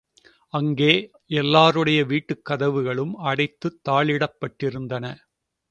அங்கே எல்லாருடைய வீட்டுக் கதவுகளும் அடைத்துத் தாழிடப்பட்டிருந்தன.